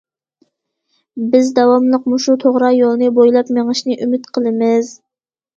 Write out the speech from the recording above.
بىز داۋاملىق مۇشۇ توغرا يولنى بويلاپ مېڭىشنى ئۈمىد قىلىمىز.